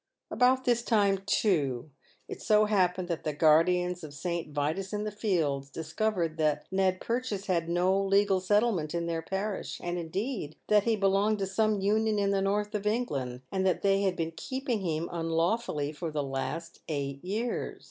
About this time, too, it so happened that the guardians of St. Vitus in the Fields discovered that Ned Purchase had no legal settle ment in their parish — that indeed he belonged to some union in the north of England, and that they had been keeping him unlawfully for the last eight years.